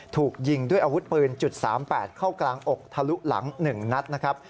ถูกยิงด้วยอาวุธปืน๓๘เข้ากลางอกทะลุหลัง๑นัดนะครับ